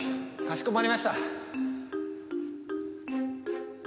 かしこまりました。